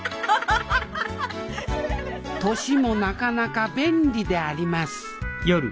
年もなかなか便利であります